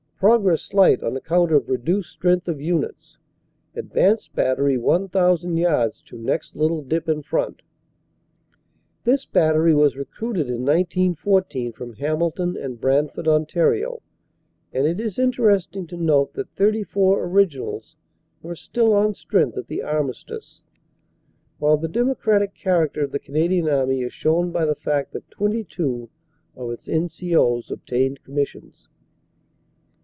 Progress slight on account of reduced strength of units. Advanced battery 1,000 yards to next little dip in front." This battery was recruited in 1914 from Hamilton and Brantford, Ont, and it is interesting to note that 34 "originals" were still on strength at the armistice, while the democratic character of the Canadian army is shown by the fact that 22 of its N.C.O s obtained commissions.